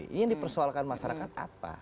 ini yang dipersoalkan masyarakat apa